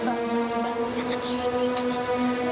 mbak mbak mbak